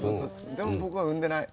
でも僕は産んでない。